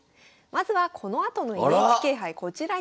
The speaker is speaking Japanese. まずはこのあとのＮＨＫ杯あら！